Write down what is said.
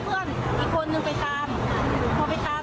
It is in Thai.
และนี้ก็ให้เพื่อนอีกคนหนึ่งไปตาม